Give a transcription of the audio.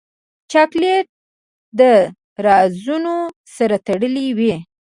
چاکلېټ له رازونو سره تړلی وي.